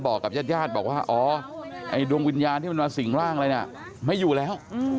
บอกกับญาติบอกว่าอ๋อดวงวิญญาณที่มันมาสิ่งร่างอะไรไม่อยู่แล้ว